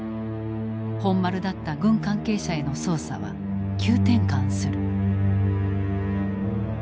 本丸だった軍関係者への捜査は急転換する。